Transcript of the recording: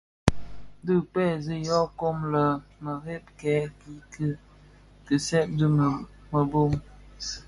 Dhi kpeksi yô kom lè bi mereb bè kiki kiseb dhi mëbom.